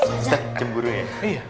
ustadz cemburu ya